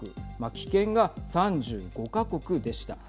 棄権が３５か国でした。